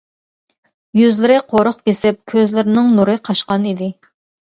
يۈزلىرى قۇرۇق بېسىپ، كۆزلىرىنىڭ نۇرى قاچقان ئىدى.